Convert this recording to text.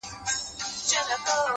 • د سباوون په انتظار چي ومه ,